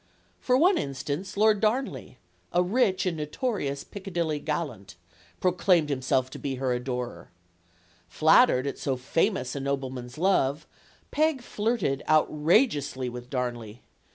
For one instance, Lord Darnley, a rich and notorious Piccadilly gallant, proclaimed himself her adorer. Flat tered at so famous a nobleman's love, Peg flirted out rageously with Darnley.